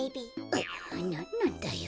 ううなんなんだよ。